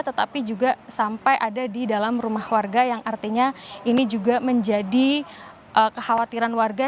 tetapi juga sampai ada di dalam rumah warga yang artinya ini juga menjadi kekhawatiran warga